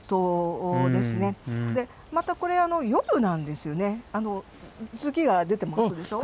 でまたこれ夜なんですよねあの月が出てますでしょう。